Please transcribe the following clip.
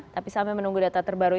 tapi sampai menunggu data terbaru